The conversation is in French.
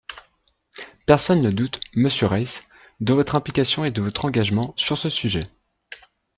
Personne ne doute, monsieur Reiss, de votre implication et de votre engagement sur ce sujet.